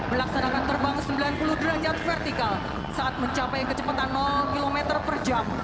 melaksanakan terbang sembilan puluh derajat vertikal saat mencapai kecepatan km per jam